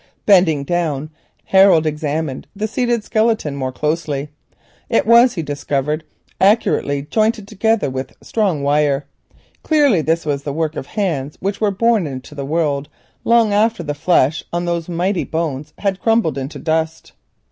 Bending down, Harold examined the seated skeleton more closely. It was, he discovered, accurately jointed together with strong wire. Clearly this was the work of hands which were born into the world long after the flesh on those mighty bones had crumbled into dust.